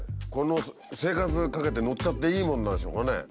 この生活かけて乗っちゃっていいものなんでしょうかね。